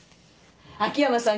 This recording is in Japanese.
秋山さん。